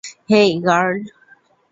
হেই, girl.